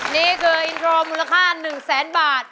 นี่คืออินโทรมูลค่า๑แสนบาท